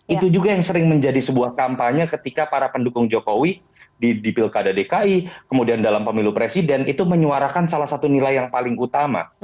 itu juga yang sering menjadi sebuah kampanye ketika para pendukung jokowi di pilkada dki kemudian dalam pemilu presiden itu menyuarakan salah satu nilai yang paling utama